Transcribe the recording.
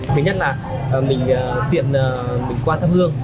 thứ nhất là mình tiệm mình qua tháp hương